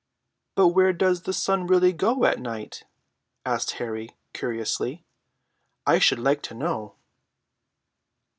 "But where does the sun really go to at night?" asked Harry curiously. "I should like to know."